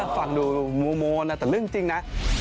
ฟังดูโมนะแต่เรื่องจริงนะ